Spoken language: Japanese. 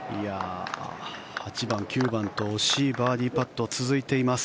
８番、９番と惜しいバーディーパットが続いています。